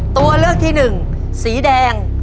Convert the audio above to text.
ตัวเลือกที่หนึ่งสีแดง